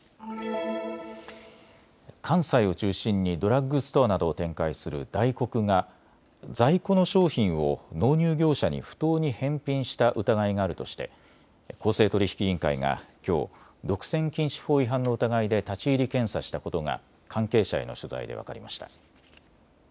関西を中心にドラッグストアなどを展開するダイコクが在庫の商品を納入業者に不当に返品した疑いがあるとして公正取引委員会がきょう独占禁止法違反の疑いで立ち入り検査したことが関係者への取材で分かりました。